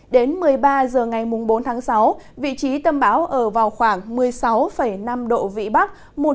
đến một mươi ba h ngày bốn tháng sáu vị trí tầm áp thấp nhiệt đới ở vào khoảng một mươi sáu năm độ vị bắc